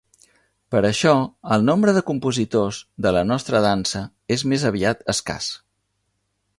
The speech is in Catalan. Per això, el nombre de compositors de la nostra dansa és més aviat escàs.